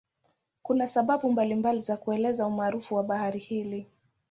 Kuna sababu mbalimbali za kuelezea umaarufu wa bahari hii.